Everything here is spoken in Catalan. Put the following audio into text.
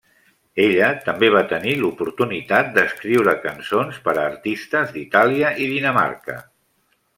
Ella també va tenir l'oportunitat d'escriure cançons per a artistes d'Itàlia i Dinamarca.